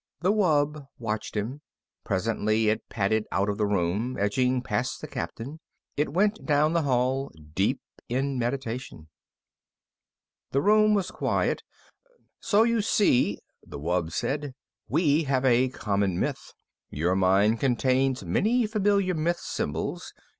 The wub watched him. Presently it padded out of the room, edging past the Captain. It went down the hall, deep in meditation. The room was quiet. "So you see," the wub said, "we have a common myth. Your mind contains many familiar myth symbols.